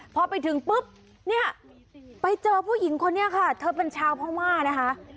พอไปถึงปุ๊บเนี่ยไปเจอผู้หญิงคนนี้ค่ะเธอเป็นชาวพม่านะคะ